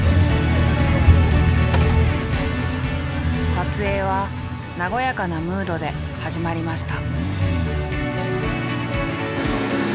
撮影は和やかなムードで始まりました。